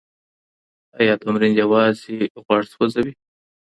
ایا تمرین یوازې غوړ سوځوي؟